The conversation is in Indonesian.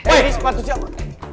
eh sepatu siapa